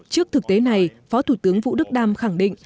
trước thực tế này phó thủ tướng vũ đức đam khẳng định